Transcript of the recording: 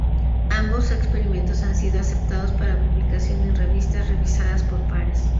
Ambos experimentos han sido aceptados para publicación en revistas revisadas por pares.